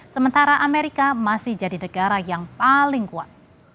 sementara amerika masih jadi negara yang paling kuat